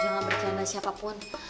jangan berjalan sama siapapun